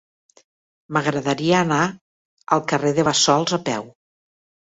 M'agradaria anar al carrer de Bassols a peu.